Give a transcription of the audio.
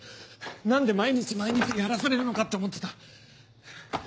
何で毎日毎日やらされるのかって思ってた。